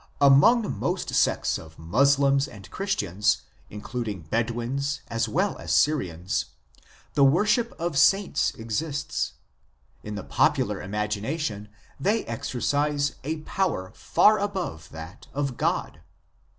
Among most sects of Moslems and Chris tians, including Bedouins as well as Syrians," says Curtiss, " the worship of saints exists. In the popular imagina tion they exercise a power far above that of God."